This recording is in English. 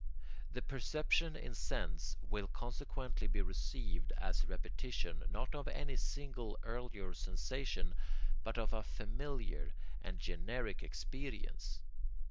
The perception in sense will consequently be received as a repetition not of any single earlier sensation but of a familiar and generic experience.